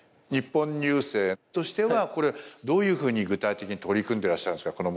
日本郵政としてはこれどういうふうに具体的に取り組んでらっしゃるんですか？